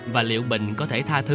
và liệu bình có thể tha thứ